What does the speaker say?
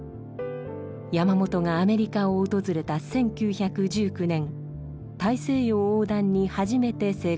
山本がアメリカを訪れた１９１９年大西洋横断に初めて成功しました。